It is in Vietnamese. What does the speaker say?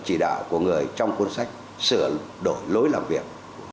chỉ đạo của người trong cuốn sách sửa đổi lối làm việc